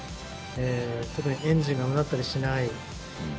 特にエンジンがうなったりしない。